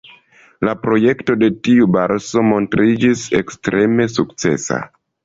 La projekto de tiu Borso montriĝis ekstreme sukcesa.